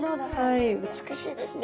はい美しいですね。